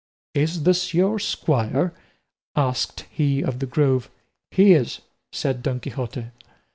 "Is this your squire?" asked he of the Grove. "He is," said Don Quixote.